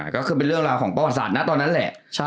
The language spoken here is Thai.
ก็คือเป็นเรื่องราวของป้อสัตว์นะตอนนั้นแหละ